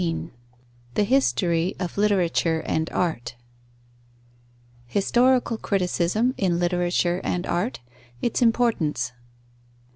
XVII THE HISTORY OF LITERATURE AND ART _Historical criticism in literature and art. Its importance.